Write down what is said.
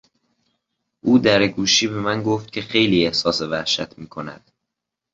او درگوشی به من گفت که خیلی احساس وحشت میکند.